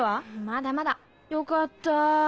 まだまだ。よかった。